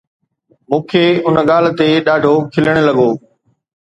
مون کي ان ڳالهه تي ڏاڍو کلڻ لڳو